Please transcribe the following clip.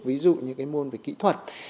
ví dụ như cái môn về kỹ thuật